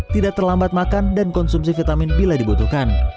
tidak terlambat makan dan konsumsi vitamin bila dibutuhkan